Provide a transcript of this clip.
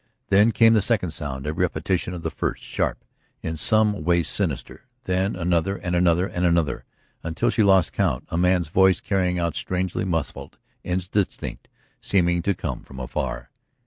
Then came the second sound, a repetition of the first, sharp, in some way sinister. Then another and another and another, until she lost count; a man's voice crying out strangely, muffled. Indistinct, seeming to come from afar.